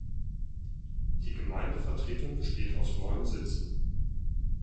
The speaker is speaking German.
Die Gemeindevertretung besteht aus neun Sitzen.